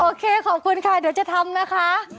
โอเคขอบคุณค่ะเดี๋ยวจะทำนะคะ